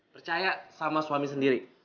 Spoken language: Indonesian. percaya sama suami sendiri